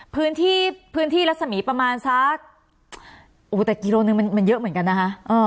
พื้นที่พื้นที่รัศมีประมาณสักแต่กิโลนึงมันเยอะเหมือนกันนะคะ